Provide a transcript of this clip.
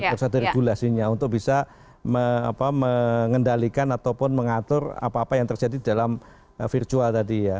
harus ada regulasinya untuk bisa mengendalikan ataupun mengatur apa apa yang terjadi dalam virtual tadi ya